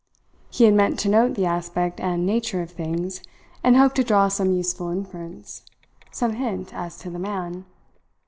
He had meant to note the aspect and nature of things, and hoped to draw some useful inference, some hint as to the man.